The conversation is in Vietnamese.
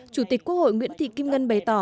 chủ tịch quốc hội nguyễn thị kim ngân bày tỏ